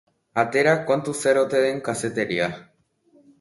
Atera kontu zer ote den kazetaria.